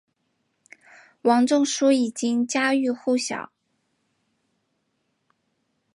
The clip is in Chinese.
王仲殊已经家喻户晓。